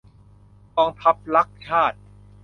กองทัพรักชาติ !